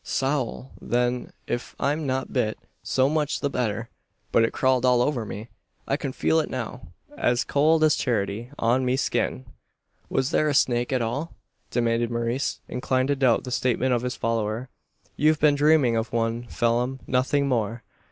"Sowl! then, if I'm not bit, so much the better; but it crawled all over me. I can feel it now, as cowld as charity, on me skin." "Was there a snake at all?" demanded Maurice, inclined to doubt the statement of his follower. "You've been dreaming of one, Phelim nothing more."